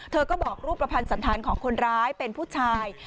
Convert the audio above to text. เธอก็บอกรูปประพันธ์สันธารของคนร้ายเป็นผู้ชาย